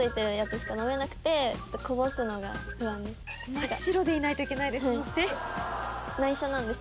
真っ白でいないといけないですもんね。